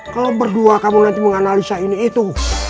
kalau berdua kamu nanti menganalisa ini itu